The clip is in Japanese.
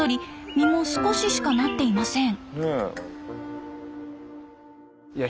実も少ししかなっていません。